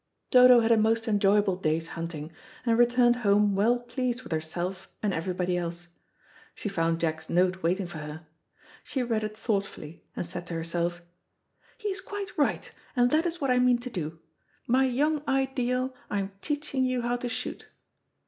Dodo had a most enjoyable day's hunting, and returned home well pleased with herself and everybody else. She found Jack's note waiting for her. She read it thoughtfully, and said to herself, "He is quite right, and that is what I mean to do. My young ideal, I am teaching you how to shoot."